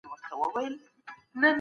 سفیران څنګه د کارګرانو ساتنه کوي؟